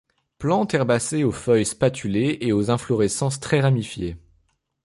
Plante herbacée aux feuilles spatulées et aux inflorescences très ramifiées.